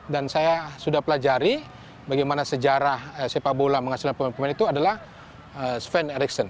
dan saya sudah pelajari bagaimana sejarah sepak bola menghasilkan pemain pemain itu adalah sven eriksson